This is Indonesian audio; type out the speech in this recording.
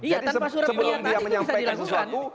jadi sebelum dia menyampaikan sesuatu